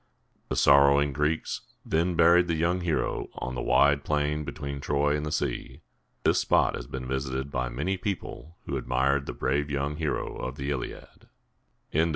The sorrowing Greeks then buried the young hero on the wide plain between Troy and the sea. This spot has been visited by many people who admired the brave young hero of the Il´i ad (see p.